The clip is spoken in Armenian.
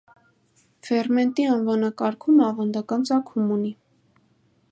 Ֆերմենտի անվանակարգումը ավանդական ծագում ունի։